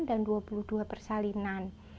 dan dua puluh dua persalinan